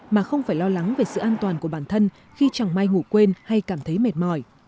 mà không phải lo lắng về sự an toàn của bản thân khi chẳng may ngủ quên hay cảm thấy mệt mỏi